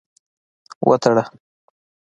وتړه.